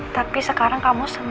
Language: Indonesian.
tapi sekarang kamu semangat ya